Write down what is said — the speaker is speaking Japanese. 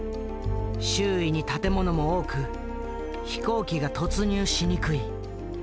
周囲に建物も多く飛行機が突入しにくい。